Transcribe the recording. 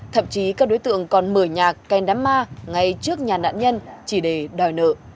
thậm chí các đối tượng còn mở nhạc kèn đám ma ngay trước nhà nạn nhân chỉ để đòi nợ